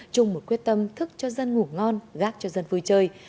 chung một quyết tâm thức cho dân ngủ ngon gác cho dân vui chơi